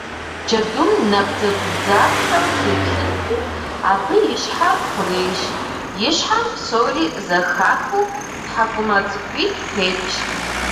Джэдум набдзэгубдзаплъэу деплъынти, абы и щхьэр хъурейщ, и щхьэм псори зэхахыу тхьэкӏумэ цӏыкӏуитӏ тетщ.